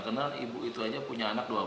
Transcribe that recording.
karena ibu itu aja punya anak dua belas